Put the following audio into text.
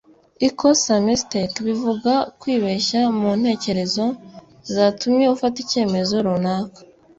Ikosa [mistake] bivuga kwibeshya mu ntekerezo zatumye ufata icyemezo runaka